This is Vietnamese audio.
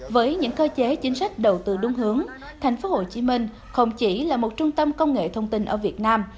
với những cơ chế chính sách đầu tư đúng hướng thành phố hồ chí minh không chỉ là một trung tâm công nghệ thông tin ở việt nam